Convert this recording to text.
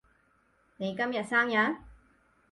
你今日生日？